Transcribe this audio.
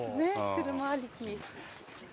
車ありき。